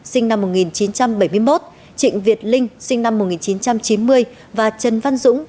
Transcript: sinh năm một nghìn chín trăm bảy mươi một trịnh việt linh sinh năm một nghìn chín trăm chín mươi và trần văn dũng